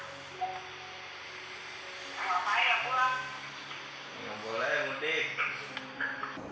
gak boleh mudik